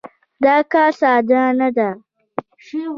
دا کار ساده نه دی.